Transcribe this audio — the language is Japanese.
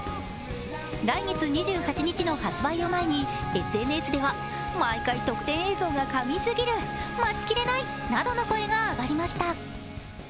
来月２８日の発売を前にＳＮＳでは声が上がりました。